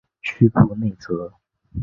屈布内泽。